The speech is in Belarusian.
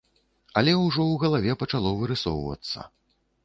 Але ўжо ў галаве пачало вырысоўвацца.